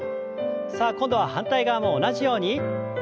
さあ今度は反対側も同じように。